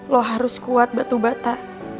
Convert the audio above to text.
lo harus kuat batu bata